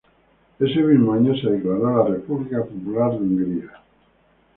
Ese mismo año, se declaró la República Popular de Hungría.